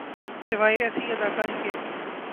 سوائے ایسی اداکاری کے۔